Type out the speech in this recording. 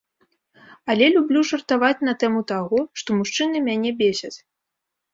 Але люблю жартаваць на тэму таго, што мужчыны мяне бесяць.